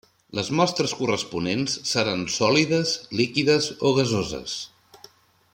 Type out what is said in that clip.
Les mostres corresponents seran sòlides, líquides o gasoses.